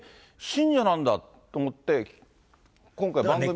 信者なんだ？と思って、今回、番組。